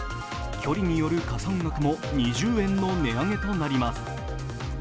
距離による加算額も２０円の値上げとなります。